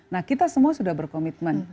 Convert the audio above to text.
nah kita semua sudah berkomitmen